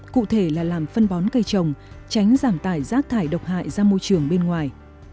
cụ thể là làm phân bón cây trồng tránh giảm tải rác thải độc hại ra môi trường bên ngoài